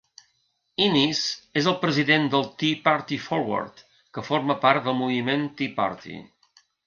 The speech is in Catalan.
Innis és el president del Tea Party Forward, que forma part del moviment Tea Party.